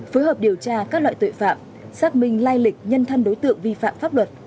phối hợp điều tra các loại tội phạm xác minh lai lịch nhân thân đối tượng vi phạm pháp luật